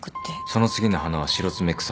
その次の花はシロツメクサ。